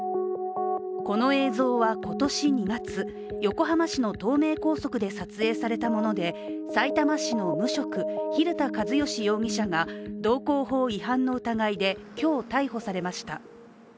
この映像は今年２月横浜市の東名高速で撮影されたものでさいたま市の無職・蛭田和良容疑者が道交法違反の疑いで今日、逮捕されました。